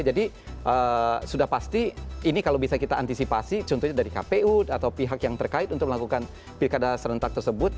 jadi sudah pasti ini kalau bisa kita antisipasi contohnya dari kpu atau pihak yang terkait untuk melakukan pilkada serentak tersebut